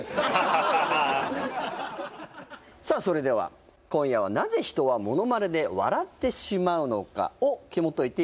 さあそれでは今夜はなぜ人はモノマネで笑ってしまうのかをひもといていきたいと思います。